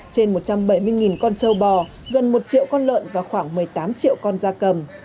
trên một trăm bảy mươi con châu bò gần một triệu con lợn và khoảng một mươi tám triệu con da cầm